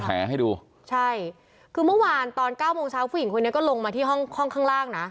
ให้ดูใช่คือเมื่อวานตอนเก้าโมงเช้าผู้หญิงคนนี้ก็ลงมาที่ห้องห้องข้างล่างนะ